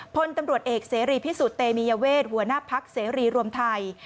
พลตำรวจเอกเสรีพิสุทธิ์เตมียเวทหัวหน้าพักเสรีรวมไทย